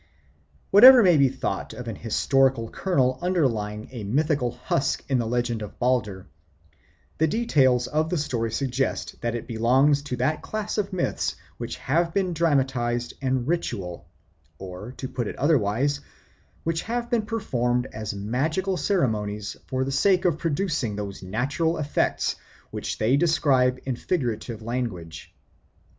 Whatever may be thought of an historical kernel underlying a mythical husk in the legend of Balder, the details of the story suggest that it belongs to that class of myths which have been dramatised an ritual, or, to put it otherwise, which have been performed as magical ceremonies for the sake of producing those natural effects which they describe in figurative language.